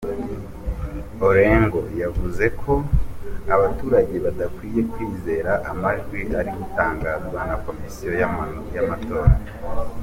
Orengo yavuze ko abaturage badakwiye kwizera amajwi ari gutangazwa na Komisiyo y’amatora.